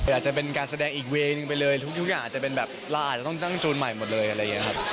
อาจจะเป็นการแสดงอีกเวย์หนึ่งไปเลยทุกอย่างอาจจะเป็นแบบเราอาจจะต้องตั้งจูนใหม่หมดเลยอะไรอย่างนี้ครับ